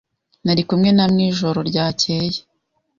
Nari kumwe na mwijoro ryakeye.